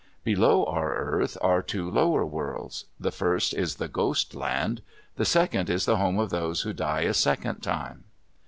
Below our earth are two lower worlds. The first is the Ghost Land; the second is the home of those who die a second time.